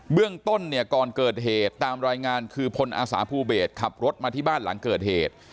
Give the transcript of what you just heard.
เรื่องต้นเนี่ยก่อนเกิดเหตุตามรายงานคือพลอาสาภูเบศขับรถมาที่บ้านหลังเกิดเหตุ